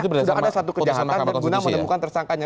itu berdasarkan putusan mahkamah konstitusi ya